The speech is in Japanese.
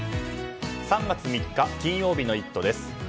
３月３日金曜日の「イット！」